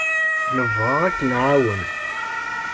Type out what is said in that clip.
Nebɣa ad k-nɛawen.